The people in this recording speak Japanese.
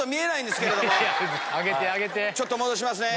ちょっと戻しますね。